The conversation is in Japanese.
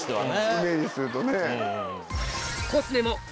イメージするとね。